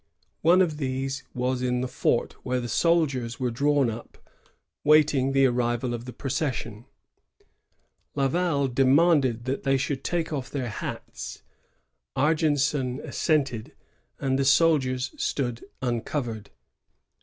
One of these was in the fort, where the soldiers were drawn up, waiting the arrival of the procession. Laval demanded that they should take off their hats. Argenson assented, and the soldiers stood uncovered.